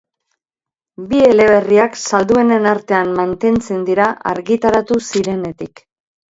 Bi eleberriak salduenen artean mantentzen dira argitaratu zirenetik.